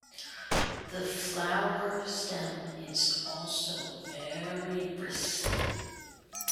The flower stem is also very bristly.